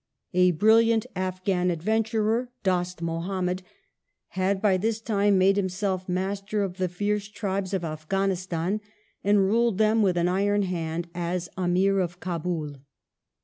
A brilliant Afghan adventurer, Dost Muhammad, had by this time made himself master of the fierce tribes of Afghanistan and ruled them with an iron hand as Amir of Kabul.